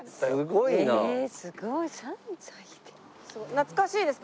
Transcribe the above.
懐かしいですか？